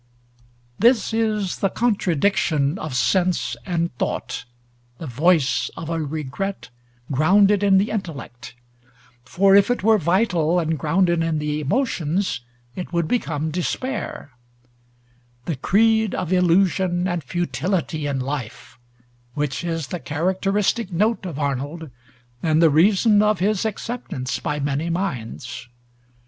This is the contradiction of sense and thought, the voice of a regret grounded in the intellect (for if it were vital and grounded in the emotions it would become despair); the creed of illusion and futility in life, which is the characteristic note of Arnold, and the reason of his acceptance by many minds.